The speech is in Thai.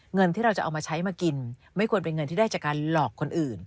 เงินที่เราจะเอามาใช้มากินไม่ควรเป็นเงินที่ได้จากการหลอกคนอื่น